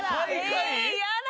嫌だ。